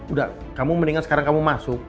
udah kamu mendingan sekarang kamu masuk